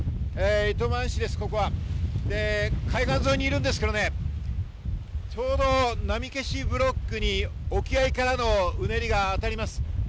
糸満市です、ここは海岸沿いにいるんですけど、ちょうど波消しブロックに沖合からのうねりが当たります。